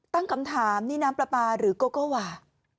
ตั้งคำถามนี่น้ำปลาปลาหรือโกโก้ว่า